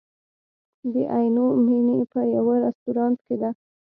د عینومېنې په یوه رستورانت کې ده.